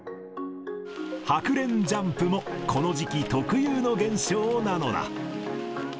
ハクレンジャンプもこの時期特有の現象なのだ。